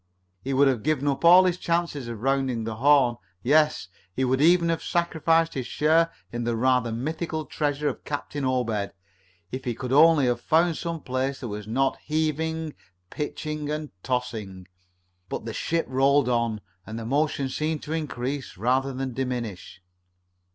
He would have given up all his chances of rounding the Horn yes, he would even have sacrificed his share in the rather mythical treasure of Captain Obed if he could only have found some place that was not heaving, pitching and tossing. But the ship rolled on, and the motion seemed to increase rather than diminish.